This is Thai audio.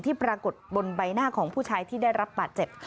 ปรากฏบนใบหน้าของผู้ชายที่ได้รับบาดเจ็บ